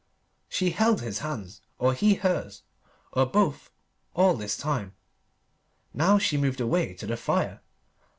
She had held his hands, or he hers, or both, all this time. Now she moved away to the fire.